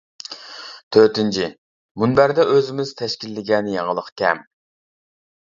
تۆتىنچى، مۇنبەردە ئۆزىمىز تەشكىللىگەن يېڭىلىق كەم.